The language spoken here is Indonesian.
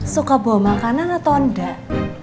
suka bawa makanan atau enggak